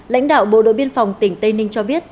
lãnh đạo bộ đội biên phòng tỉnh tây ninh cho biết